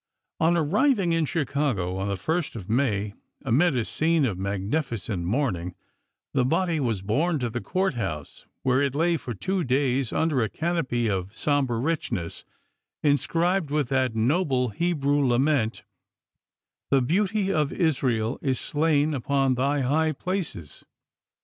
On arriving in Chicago, on the 1st of May, amid a scene of magnificent mourning, the body was borne to the court house, where it lay for two days under a canopy of somber richness, inscribed with that noble Hebrew lament, "The beauty of Israel is slain upon thy high places."